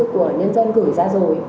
của nhân dân gửi ra rồi